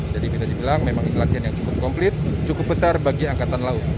jadi bisa dibilang memang ini latihan yang cukup komplit cukup besar bagi angkatan laut